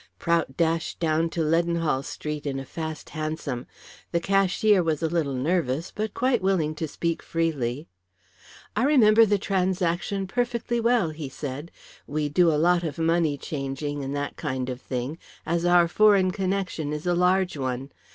Prout dashed down to Leadenhall Street in a fast hansom. The cashier was a little nervous, but quite willing to speak freely. "I remember the transaction perfectly well," he said. "We do a lot of money changing and that kind of thing, as our foreign connection is a large one.